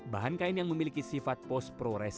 bahan kain yang memiliki sifat post proresist